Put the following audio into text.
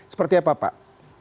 seperti apa pak